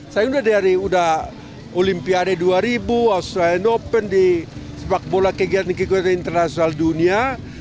saya udah dari udah olimpiade dua ribu australian open di sepak bola kegiatan kegiatan internasional dunia